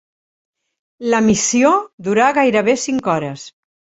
La missió durà gairebé cinc hores.